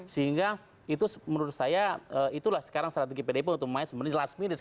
sehingga itu menurut saya itulah sekarang strategi pdip untuk main sebenarnya last minute